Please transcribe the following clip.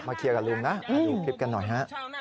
เคลียร์กับลุงนะดูคลิปกันหน่อยฮะ